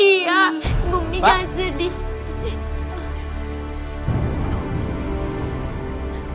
ibu menik jangan sedih